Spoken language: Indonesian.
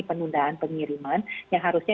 penundaan pengiriman yang harusnya